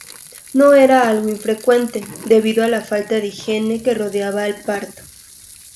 No era algo infrecuente, debido a la falta de higiene que rodeaba el parto.